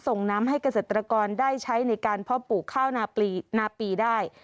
ส่งน้ำให้เกษตรกรได้ใช้ในการเพาะปลูกข้าวนาปีได้